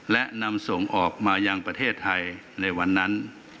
และนำส่งออกมายังประเทศไทยในวันนั้น